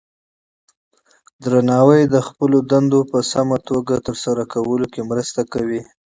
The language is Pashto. درناوی د خپلو دندو په سمه توګه ترسره کولو کې مرسته کوي.